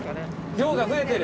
量が増えてる。